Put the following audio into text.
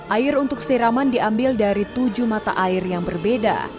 air untuk siraman diambil dari tujuh mata air yang berbeda